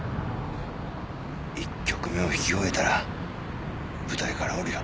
１曲目を弾き終えたら舞台から降りろ。